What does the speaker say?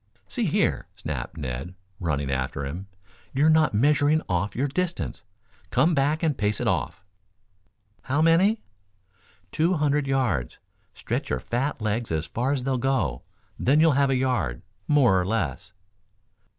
"See here," snapped Ned, running after him. "You're not measuring off your distance. Come back and pace it off." "How many?" "Two hundred yards. Stretch your fat legs as far as they'll go, then you'll have a yard, more or less."